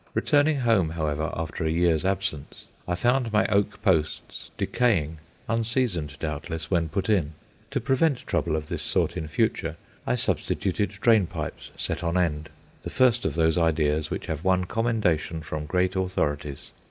Returning home, however, after a year's absence, I found my oak posts decaying unseasoned, doubtless, when put in. To prevent trouble of this sort in future, I substituted drain pipes set on end; the first of those ideas which have won commendation from great authorities.